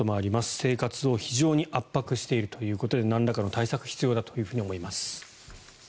生活を非常に圧迫しているということでなんらかの対策が必要だと思います。